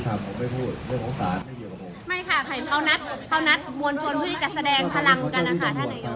จะต้องสั่งจับตาเข้มข้วนเข้มข้วนไม่ทัน